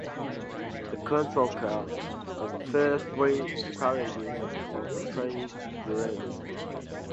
The control car and the first three carriages of the train derailed.